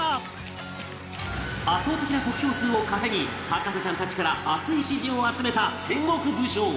圧倒的な得票数を稼ぎ博士ちゃんたちから熱い支持を集めた戦国武将